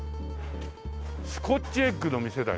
スコッチエッグの店だよ。